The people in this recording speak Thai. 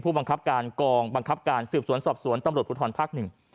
บังคับการกองบังคับการสืบสวนสอบสวนตำรวจภูทรภาคหนึ่ง